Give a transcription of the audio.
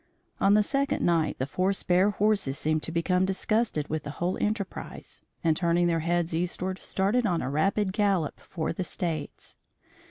On the second night, the four spare horses seemed to become disgusted with the whole enterprise, and turning their heads eastward started on a rapid gallop for the States.